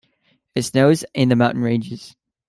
It snows in the mountain ranges.